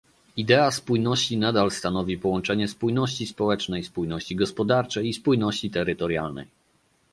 Idea spójności nadal stanowi połączenie spójności społecznej, spójności gospodarczej i spójności terytorialnej